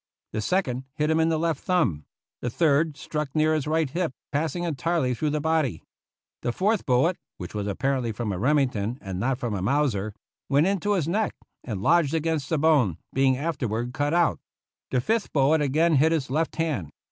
The second hit him in the left thumb. The third struck near his right hip, passing entirely through the body. The fourth bullet (which was apparently from a Remington and not from a Mauser) went into his neck and lodged against the bone, being afterward cut out. The fifth bullet again hit his left hand.